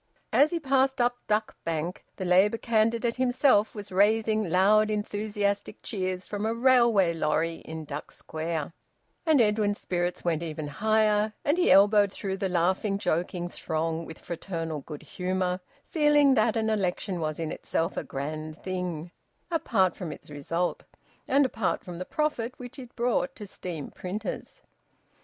As he passed up Duck Bank the Labour candidate himself was raising loud enthusiastic cheers from a railway lorry in Duck Square, and Edwin's spirits went even higher, and he elbowed through the laughing, joking throng with fraternal good humour, feeling that an election was in itself a grand thing, apart from its result, and apart from the profit which it brought to steam printers.